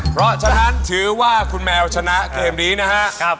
เพราะฉะนั้นถือว่าคุณแมวชนะเกมนี้นะครับ